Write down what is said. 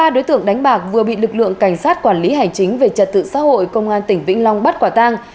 ba đối tượng đánh bạc vừa bị lực lượng cảnh sát quản lý hành chính về trật tự xã hội công an tỉnh vĩnh long bắt quả tang